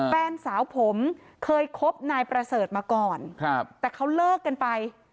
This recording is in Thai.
แฟนสาวผมเคยคบนายประเสริฐมาก่อนครับแต่เขาเลิกกันไป